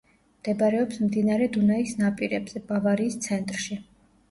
მდებარეობს მდინარე დუნაის ნაპირებზე, ბავარიის ცენტრში.